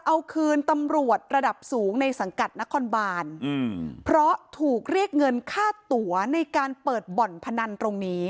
เอาคืนตำรวจระดับสูงในสังกัดนครบานเพราะถูกเรียกเงินค่าตัวในการเปิดบ่อนพนันตรงนี้